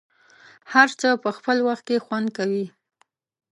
هر څه په خپل وخت کې خوند کوي.